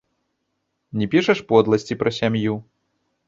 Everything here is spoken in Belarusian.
Не пішаш подласці пра сям'ю.